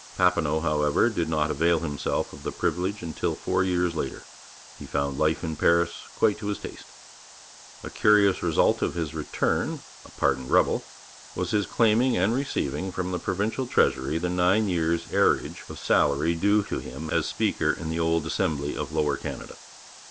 Papineau, however, did not avail himself of the privilege until four years later; he found life in Paris quite to his taste. A curious result of his return, a pardoned rebel, was his claiming and receiving from the provincial treasury the nine years' arrearage of salary due to him as Speaker in the old Assembly of Lower Canada.